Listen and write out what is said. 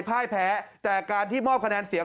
พ่ายแพ้แต่การที่มอบคะแนนเสียง